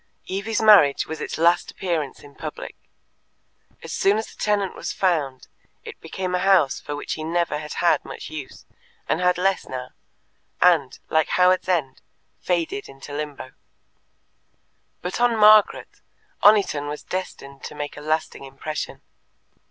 Evie's marriage was its last appearance in public. As soon as a tenant was found, it became a house for which he never had had much use, and had less now, and, like Howards End, faded into Limbo. But on Margaret Oniton was destined to make a lasting impression.